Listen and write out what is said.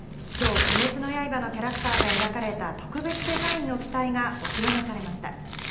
きょう鬼滅の刃のキャラクターが描かれた、特別デザインの機体がお披露目されました。